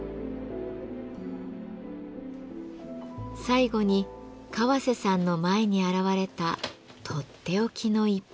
最後に川瀬さんの前に現れたとっておきの一品。